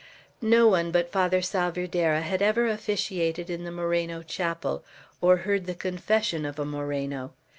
No one but Father Salvierderra had ever officiated in the Moreno chapel, or heard the confession of a Moreno.